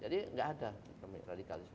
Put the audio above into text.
jadi tidak ada radikalisme